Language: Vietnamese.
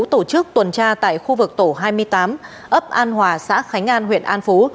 tổ chức tuần tra tại khu vực tổ hai mươi tám ấp an hòa xã khánh an huyện an phú